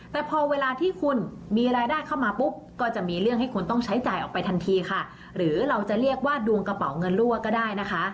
แต่พอเวลาที่คุณมีรายได้เข้ามาปุ๊บก็จะมีเรื่องให้คุณต้องใช้จ่ายออกไปทันทีค่ะหรือเราจะเรียกว่าดวงกระเป๋าเงินรั่วก็ได้นะคะ